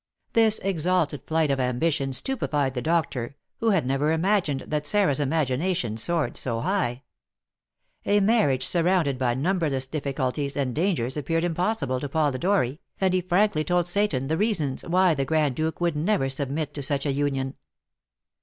This exalted flight of ambition stupefied the doctor, who had never imagined that Sarah's imagination soared so high. A marriage surrounded by numberless difficulties and dangers appeared impossible to Polidori, and he frankly told Seyton the reasons why the Grand Duke would never submit to such a union.